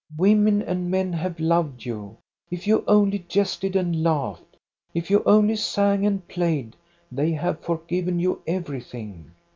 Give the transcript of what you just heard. Women and men have loved you. If you only jested and laughed,, if you only sang and played, they have forgiven you everything.